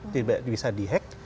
tidak bisa di hack